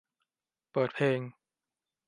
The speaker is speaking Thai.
เปิดเพลง